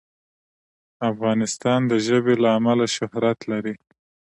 افغانستان د ژبې له امله شهرت لري.